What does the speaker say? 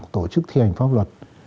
tổ chức thi hành pháp luật